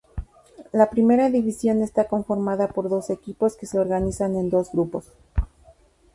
La Primera División está conformada por doce equipos que se organizan en dos grupos.